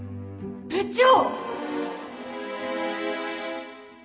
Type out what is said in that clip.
部長！